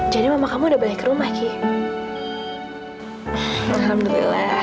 jadi mah kamu kalau balik ke rumah kikem alhamdulillah sekarang kamu jangan peruh